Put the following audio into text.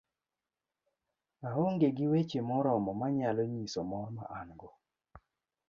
aong'e gi weche moromo manyalo nyiso mor ma an go